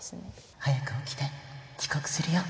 「早く起きて！遅刻するよ」。